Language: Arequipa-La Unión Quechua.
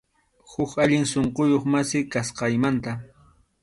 Huk allin sunquyuq masi, kasqaymanta.